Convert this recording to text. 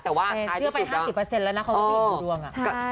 เชื่อไป๕๐เปอร์เซ็นต์แล้วเขาก็เป็นผู้หญิงดูดวง